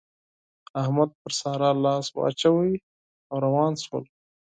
احمد پر سارا لاس واچاوو او روان شول.